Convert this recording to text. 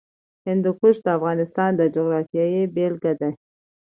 هندوکش د افغانستان د جغرافیې بېلګه ده.